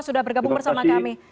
sudah bergabung bersama kami